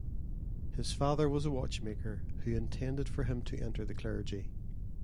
His father was a watchmaker, who intended for him to enter the clergy.